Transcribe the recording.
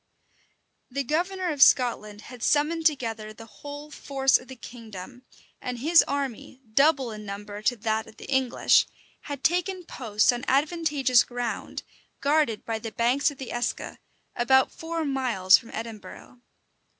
The governor of Scotland had summoned together the whole force of the kingdom; and his army, double in number to that of the English, had taken post on advantageous ground, guarded by the banks of the Eske, about four miles from Edinburgh.